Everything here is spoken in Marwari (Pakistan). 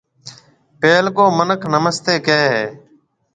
پيلڪو مِنک نمستيَ ڪهيَ هيَ۔